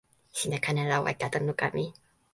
sina ken ala weka tan luka mi.